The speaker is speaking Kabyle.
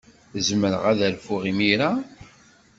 Zemreɣ ad rfuɣ imir-a?